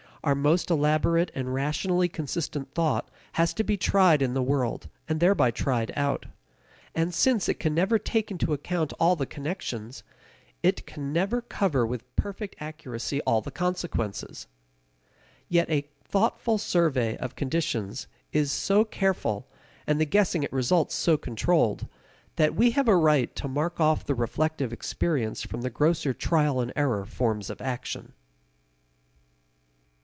Our most elaborate and rationally consistent thought has to be tried in the world and thereby tried out. And since it can never take into account all the connections, it can never cover with perfect accuracy all the consequences. Yet a thoughtful survey of conditions is so careful, and the guessing at results so controlled, that we have a right to mark off the reflective experience from the grosser trial and error forms of action.